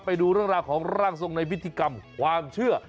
ไปดูเรื่องราวของร่างทรงในพิธีกรรมความเชื่อ